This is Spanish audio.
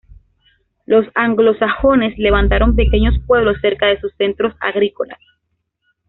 Los anglosajones levantaron pequeños pueblos cerca de sus centros agrícolas.